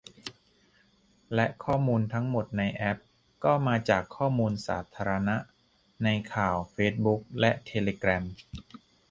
และข้อมูลทั้งหมดในแอปก็มาจากข้อมูลสาธารณะในข่าว เฟซบุ๊ก และเทเลแกรม